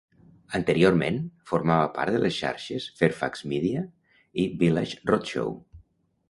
Anteriorment, formava part de les xarxes Fairfax Media i Village Roadshow.